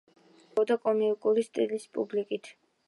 გამოირჩეოდა კომიკური სტილის პუბლიკაციებით.